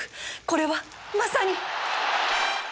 これはまさに